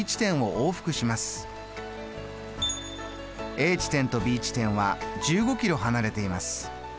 Ａ地点とＢ地点は１５キロ離れています。